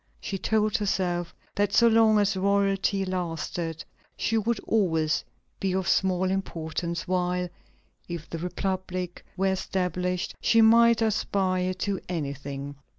She told herself that so long as royalty lasted, she would always be of small importance; while, if the republic were established, she might aspire to anything.